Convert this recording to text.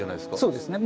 そうですね。